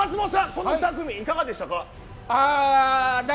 この２組いかがでしたか。